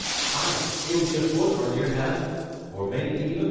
Ay, it'll be a foot, or near hand; or may be even mair!"